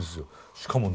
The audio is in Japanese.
しかもね